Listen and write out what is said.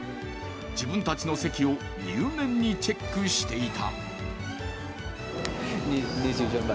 自分たちの席を入念にチェックしていた。